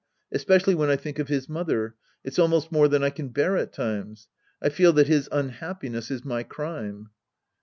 Especially when I think of his mother, it's almost more than I can bear at times. I feel that his unhappiness is my crime.